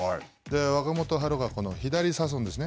若元春が左を差すんですね。